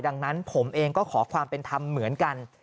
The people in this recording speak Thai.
ดังนั้นผมเองก็ขอความเป็นธรรมเหมือนกัน